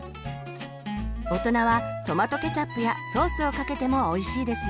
大人はトマトケチャップやソースをかけてもおいしいですよ。